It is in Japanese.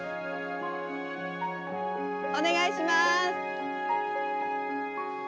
お願いします。